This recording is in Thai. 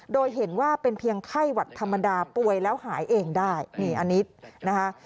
โดยเห็นว่าเป็นเพียงไข้หวัดธรรมดาป่วยแล้วหายเองได้นี่อันนี้นะคะ